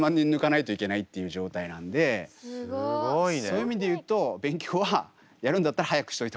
そういう意味で言うと勉強はやるんだったら早くしといた方がいいよっていう。